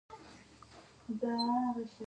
دوی د بې احترامۍ په حس اخته کیږي.